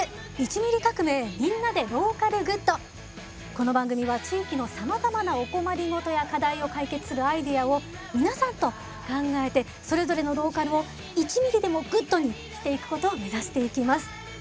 この番組は地域のさまざまなお困り事や課題を解決するアイデアを皆さんと考えてそれぞれのローカルを１ミリでもグッドにしていくことを目指していきます。